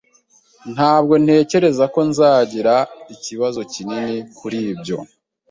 Ntabwo ntekereza ko nzagira ikibazo kinini kuri ibyo.